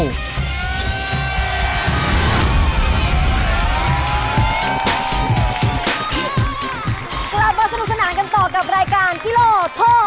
กลับบรรสนุกสนานกันต่อกับรายการที่รอท่อ